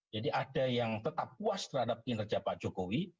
jadi ada yang tetap puas terhadap kinerja pak jokowi